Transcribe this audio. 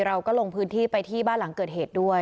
เราก็ลงพื้นที่ไปที่บ้านหลังเกิดเหตุด้วย